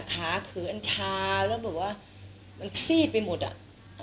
ขาเขืออันชาแล้วแบบว่ามันซีดไปหมดอ่ะ